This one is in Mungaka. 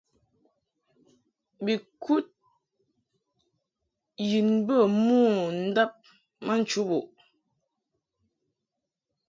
Bi kud yin bɛ mo ndab ma nchubuʼ.